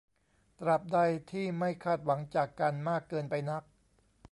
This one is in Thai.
ตราบใดที่ไม่คาดหวังจากกันมากเกินไปนัก